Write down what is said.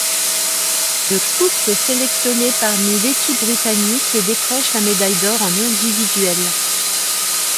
Le couple est sélectionné parmi l'équipe britannique et décroche la médaille d'or en individuel.